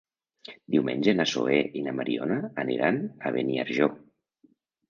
Diumenge na Zoè i na Mariona aniran a Beniarjó.